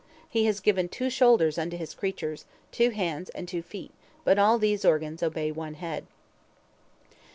He has given two shoulders unto his creatures, two hands, and two feet, but all these organs obey one head."